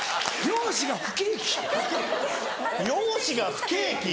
容姿が不景気。